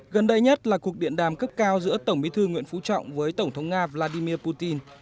gần đây nhất là cuộc điện đàm cấp cao giữa tổng bí thư nguyễn phú trọng với tổng thống nga vladimir putin